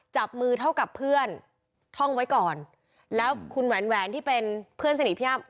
จับมือเท่ากับเพื่อนท่องไว้ก่อนแล้วคุณแหวนแหวนที่เป็นเพื่อนสนิทพี่อ้ำ